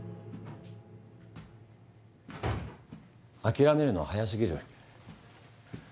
諦めるのは早すぎる。